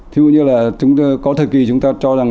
thứ như là có thời kỳ chúng ta cho rằng